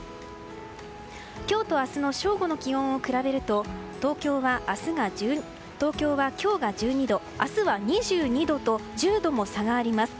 今日と明日の正午の気温を比べると東京は今日が１２度明日は２２度と１０度も差があります。